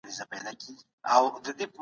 تاسو باید په خپله سیمه کې څېړنې پیل کړئ.